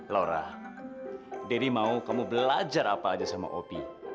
laura daddy mau kamu belajar apa aja sama opie